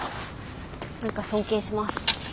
何か尊敬します。